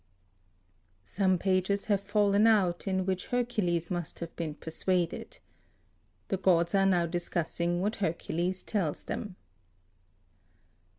(Some pages have fallen out, in which Hercules must have been persuaded. The gods are now discussing what Hercules tells them).